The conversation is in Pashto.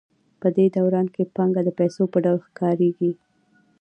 په دې دوران کې پانګه د پیسو په ډول ښکارېږي